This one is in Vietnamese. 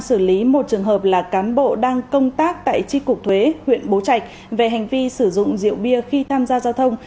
xử lý một trường hợp là cán bộ đang công tác tại tri cục thuế huyện bố trạch về hành vi sử dụng rượu bia khi tham gia giao thông